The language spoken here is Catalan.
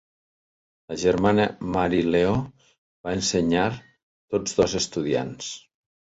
La germana Mary Leo va ensenyar tots dos estudiants.